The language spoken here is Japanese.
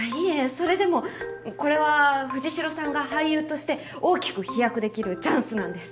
それでもこれは藤代さんが俳優として大きく飛躍できるチャンスなんです。